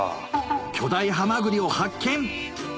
巨大ハマグリを発見！